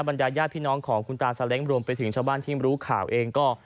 ญาติพี่น้องของคุณตาซาเล้งรวมไปถึงชาวบ้านที่รู้ข่าวเองก็